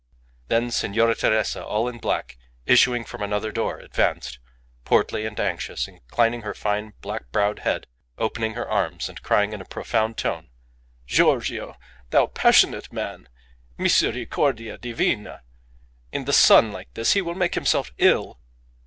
Then Signora Teresa, all in black, issuing from another door, advanced, portly and anxious, inclining her fine, black browed head, opening her arms, and crying in a profound tone "Giorgio! thou passionate man! Misericordia Divina! In the sun like this! He will make himself ill."